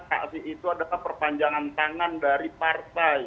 aksi itu adalah perpanjangan tangan dari partai